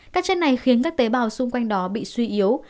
các chất này khiến các tế bào xung quanh đó bị suy yếu